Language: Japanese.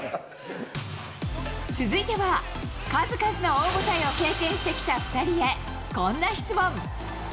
続いては、数々の大舞台を経験してきた２人へ、こんな質問。